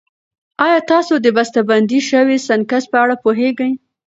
ایا تاسو د بستهبندي شويو سنکس په اړه پوهېږئ؟